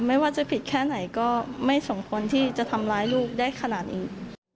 ไม่ว่าจะผิดแค่ไหนก็ไม่สมควรที่จะทำร้ายลูกได้ขนาดนี้